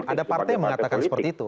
ada partai yang mengatakan seperti itu